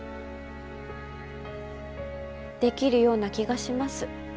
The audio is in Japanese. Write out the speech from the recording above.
できるような気がします。